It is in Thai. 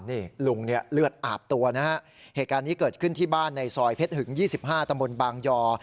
นี่ลุงเนี่ยเลือดอาบตัวนะฮะเหตุการณ์นี้เกิดขึ้นที่บ้านในซอยเพชรหึง๒๕ตำบลบางยอ